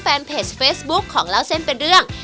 แฟนเพจเฟซบุ๊คของเล่าเส้นเป็นเรื่อง